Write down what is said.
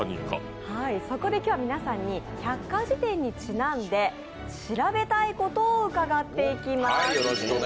そこで今日は皆さんに百科事典にちなんで調べたいことを伺っていきます。